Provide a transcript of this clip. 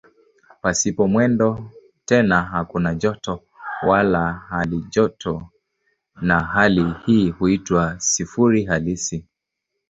Pasipo mwendo tena hakuna joto wala halijoto na hali hii huitwa "sifuri halisi".